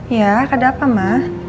ya ada apa ma